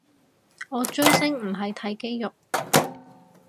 我追星唔係睇肌肉